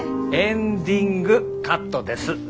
エンディングカットです。